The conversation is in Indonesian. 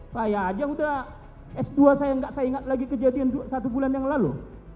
saya aja udah s dua saya nggak saya ingat lagi kejadian satu bulan yang lalu